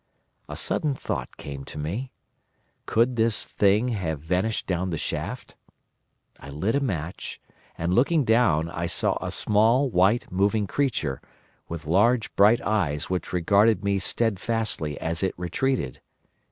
A sudden thought came to me. Could this Thing have vanished down the shaft? I lit a match, and, looking down, I saw a small, white, moving creature, with large bright eyes which regarded me steadfastly as it retreated.